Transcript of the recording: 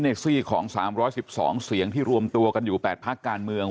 ซี่ของ๓๑๒เสียงที่รวมตัวกันอยู่๘พักการเมือง